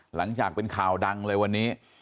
หลังจากเป็นข่าวดังเลยวันนี้